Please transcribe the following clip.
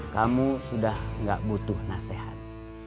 kamu sudah gak butuh nasihat